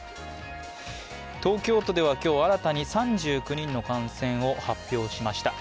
東京都では今日新たに３９人の感染を発表しました。